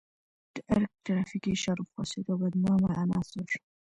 د ارګ ترافیکي اشارو فاسد او بدنامه عناصر.